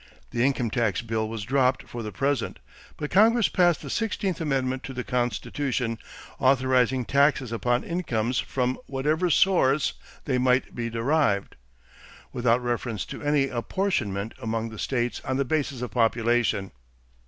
The income tax bill was dropped for the present; but Congress passed the sixteenth amendment to the Constitution, authorizing taxes upon incomes from whatever source they might be derived, without reference to any apportionment among the states on the basis of population.